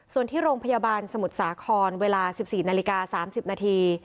ส่วนที่โรงพยาบาลสมุทรสาขรเวลาสิบสี่นาฬิกาสามสิบนาที